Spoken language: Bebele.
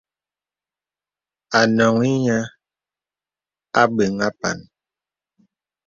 À noŋhī nīə àbéŋ àpān.